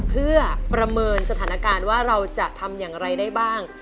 เพื่อประเมินสถานการณ์ว่าเราจะทำอย่างไรได้บ้าง